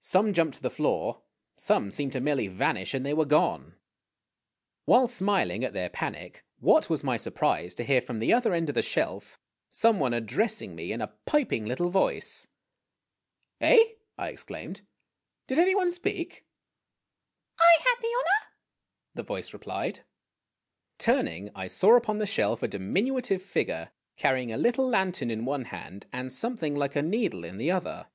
Some jumped to the floor; some seemed to merely vanish, and they were gone ! While smiling at their panic, what was my surprise to hear from the other end of the shelf some one addressing me in a piping, little voice. " Eh ?" I exclaimed, " did any one speak ?' I So IMAGINOTIONS " I had the honor !" the voice replied. Turning, I saw upon the shelf a diminutive figure carrying a little lantern in one hand, and something like a needle in the other.